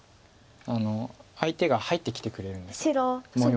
相手が入ってきてくれるんです。